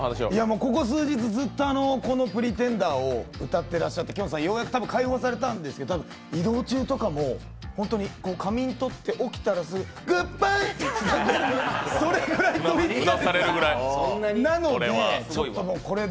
ここ数日ずっとこの「Ｐｒｅｔｅｎｄｅｒ」を歌ってらっしゃってきょんさん、ようやく今日解放されたんですけど、移動中とかもホントに仮眠とっておきたらすぐグッバイって言ってたんで。